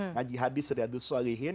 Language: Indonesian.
ngaji hadis seratus salihin